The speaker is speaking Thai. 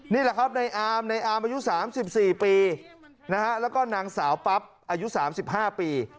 นี่แหละครับในอามในอามอายุ๓๔ปีนะฮะแล้วก็นางสาวปั๊บอายุ๓๕ปี